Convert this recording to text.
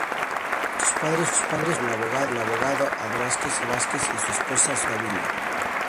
Sus padres fueron el abogado Adalberto Vázquez y su esposa Soledad Dávila.